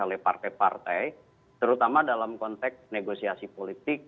oleh partai partai terutama dalam konteks negosiasi politik